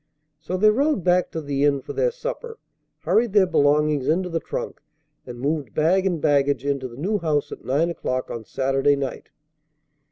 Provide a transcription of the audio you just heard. So they rode back to the inn for their supper, hurried their belongings into the trunk, and moved bag and baggage into the new house at nine o'clock on Saturday night.